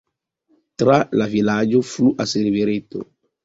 Tra la vilaĝo fluas rivereto.